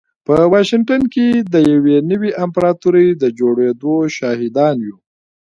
په واشنګټن کې د يوې نوې امپراتورۍ د جوړېدو شاهدان يو.